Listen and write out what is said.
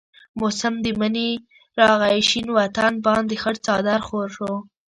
موسم د منی راغي شين وطن باندي خړ څادر خور شو